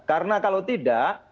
karena kalau tidak